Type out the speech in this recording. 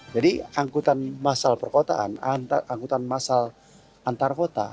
jadi angkutan masal perkotaan angkutan masal antarkota